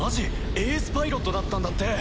エースパイロットだったんだって。